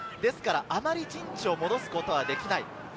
あまり陣地を戻すことはできない。